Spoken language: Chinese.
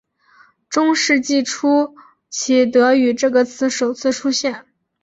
中世纪初期德语这个词首次出现。